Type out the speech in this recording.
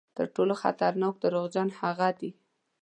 تر ټولو خطرناک دروغجن هغه دي.